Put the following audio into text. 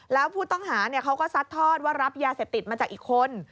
แล้วผู้ต้องหาเขาก็ซัดทอดว่ารับยาเสพติดมาจากอีกคน